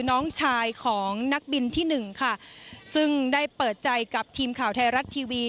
น้องชายของนักบินที่หนึ่งค่ะซึ่งได้เปิดใจกับทีมข่าวไทยรัฐทีวี